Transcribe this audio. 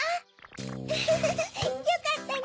ウフフフよかったね